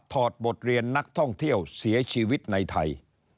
อดบทเรียนนักท่องเที่ยวเสียชีวิตในไทย